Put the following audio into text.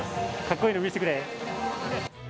格好いいの見せてくれ。